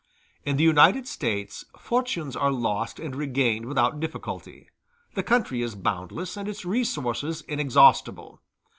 In the United States fortunes are lost and regained without difficulty; the country is boundless, and its resources inexhaustible.